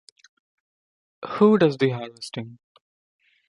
Who does the harvesting?